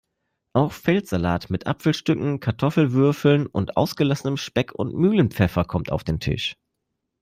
Auch Feldsalat mit Apfelstücken, Kartoffelwürfeln und ausgelassenem Speck und Mühlenpfeffer kommt auf den Tisch.